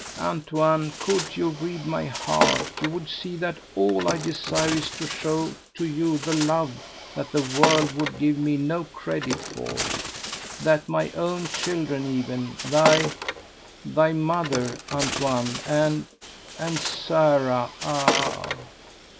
"Antoine, could you read my heart you would see that all I desire is to show to you the love that the world would give me no credit for, that my own children even, thy thy mother, Antoine, and and Sara ah!